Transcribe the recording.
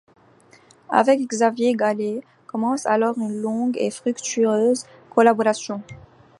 Avec Xavier Gallais commence alors une longue et fructueuse collaboration.